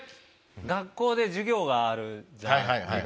学校で授業があるじゃない？